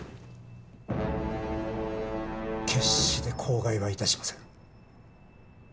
決して口外は致しません。